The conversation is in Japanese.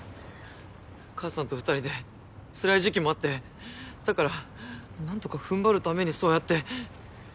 母さんと２人でつらい時期もあってだから何とか踏ん張るためにそうやって。